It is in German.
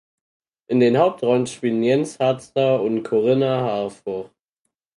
In den Hauptrollen spielen Jens Harzer und Corinna Harfouch.